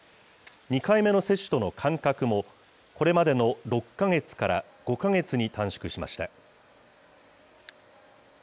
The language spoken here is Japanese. ２回目の接種との間隔も、これまでの６か月から５か月に短縮しました。